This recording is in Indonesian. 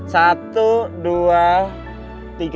satu dua tiga